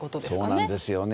そうなんですよね。